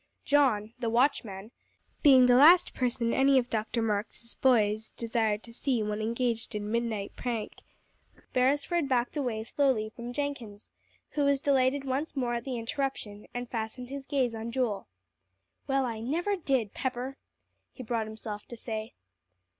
John, the watchman, being the last person whom any of Dr. Marks' boys desired to see when engaged in a midnight prank, Beresford backed away slowly from Jenkins, who was delighted once more at the interruption, and fastened his gaze on Joel. "Well, I never did, Pepper!" he brought himself to say.